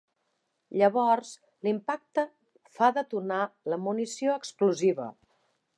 Llavors, l'impacte fa detonar la munició explosiva.